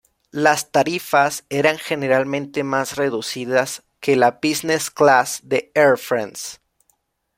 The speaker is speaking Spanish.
Las tarifas eran generalmente más reducidas que la Business Class de Air France.